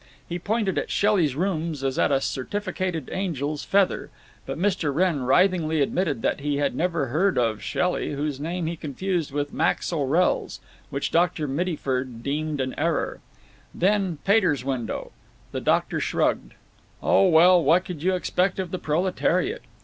He pointed at Shelley's rooms as at a certificated angel's feather, but Mr. Wrenn writhingly admitted that he had never heard of Shelley, whose name he confused with Max O'Rell's, which Dr. Mittyford deemed an error. Then, Pater's window. The doctor shrugged. Oh well, what could you expect of the proletariat!